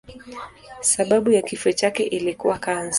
Sababu ya kifo chake ilikuwa kansa.